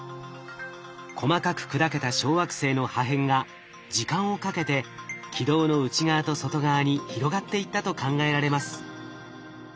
細かく砕けた小惑星の破片が時間をかけて軌道の内側と外側に広がっていったと考えられます。